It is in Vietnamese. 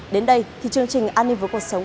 đến đây thì chương trình an ninh với cuộc sống